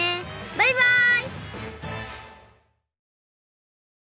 バイバイ！